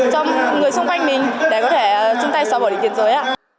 cho người xung quanh mình để có thể chung tay xóa bỏ định kiến giới